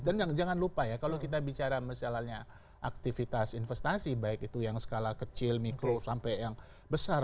dan jangan lupa ya kalau kita bicara misalnya aktivitas investasi baik itu yang skala kecil mikro sampai yang besar